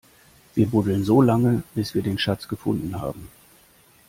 Wir buddeln so lange, bis wir den Schatz gefunden haben!